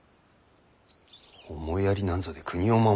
思いやりなんぞで国を守れるものか。